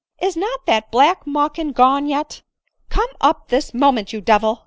is not that black mawkin gone yet ? Come up this moment, you devil !"